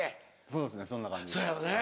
そうですねそんな感じです。